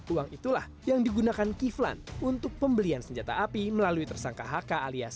uang itulah yang digunakan kip lansin untuk pembelian senjata api melalui tersangka hk